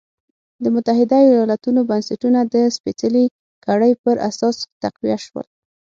د متحده ایالتونو بنسټونه د سپېڅلې کړۍ پر اساس تقویه شول.